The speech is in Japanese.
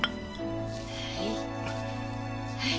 はい。